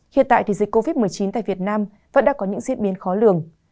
hiện tại dịch covid một mươi chín tại việt nam vẫn đã có những diễn biến khó lường